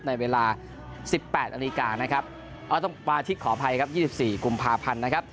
ในเวลาสิบแปดอันดีการนะครับเราต้องมาที่ขออภัยครับยี่สิบสี่กุมภาพันธุ์นะครับ